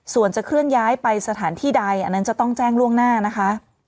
ส่วนจะเคลื่อนย้ายไปสถานที่ใดอันนั้นจะต้องแจ้งล่วงหน้านะคะ